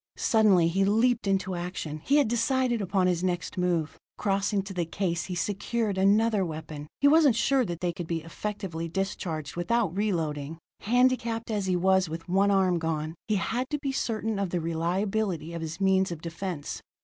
Suddenly he leaped into action; he had decided upon his next move. Crossing to the case he secured another weapon. He wasn't sure that they could be effectively discharged without re loading; handicapped as he was with one arm gone, he had to be certain of the reliability of his means of defense.